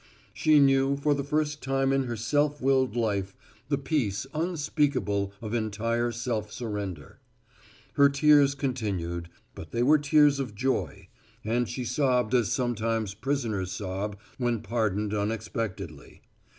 She knew for the first time in her self willed life the peace unspeakable of entire self surrender. Her tears continued, but they were tears of joy, and she sobbed as sometimes prisoners sob when pardoned unexpectedly.